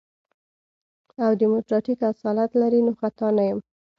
او ديموکراتيک اصالت لري نو خطا نه يم.